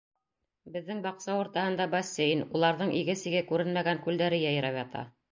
Беҙҙең баҡса уртаһында — бассейн, уларҙың иге-сиге күренмәгән күлдәре йәйрәп ята.